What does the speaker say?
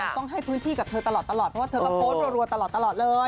ต้องให้พื้นที่กับเธอตลอดเพราะว่าเธอก็โพสต์รัวตลอดเลย